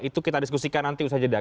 itu kita diskusikan nanti usha jeddah